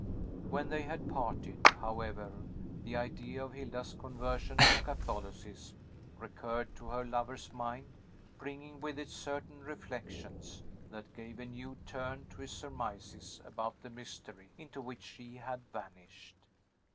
When they had parted, however, the idea of Hilda's conversion to Catholicism recurred to her lover's mind, bringing with it certain reflections, that gave a new turn to his surmises about the mystery into which she had vanished.